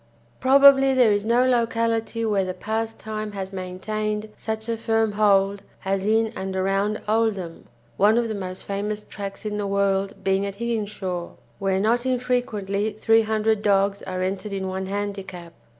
Probably there is no locality where the pastime has maintained such a firm hold as in and around Oldham, one of the most famous tracks in the world being at Higginshaw, where not infrequently three hundred dogs are entered in one handicap.